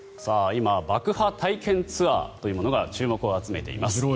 今爆破体験ツアーというものが注目を集めています。